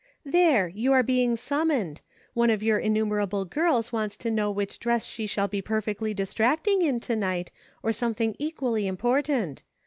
" There ! you are being summoned. One of your innumerable girls wants to know which dress she shall be perfectly distracting in to night, or something equally important.